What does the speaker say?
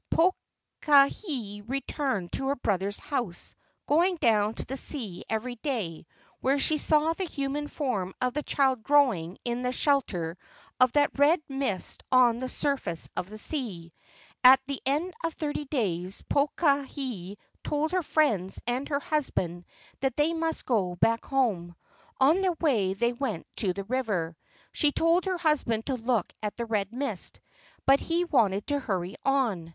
Pokahi returned to her brother's house, going down to the sea every day, where she saw the human form of the child growing in the shelter of that red mist on the surface of the sea. At the end of the thirty days Pokahi told her friends and her husband that they must go back home. On their way they went to the river. She told her husband to look at the red mist, but he wanted to hurry on.